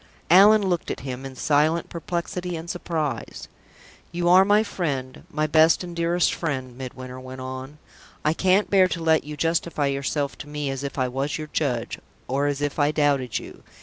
Allan looked at him, in silent perplexity and surprise. "You are my friend my best and dearest friend," Midwinter went on. "I can't bear to let you justify yourself to me as if I was your judge, or as if I doubted you."